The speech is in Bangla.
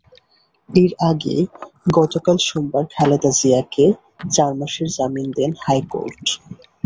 এর আগে গতকাল সোমবার খালেদা জিয়াকে চার মাসের জামিন দেন হাইকোর্ট।